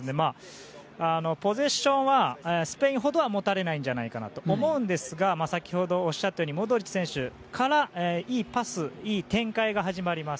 ポゼッションはスペインほどは持たれないんじゃないかなと思うんですが先ほどおっしゃったようにモドリッチ選手からいいパスいい展開が始まります。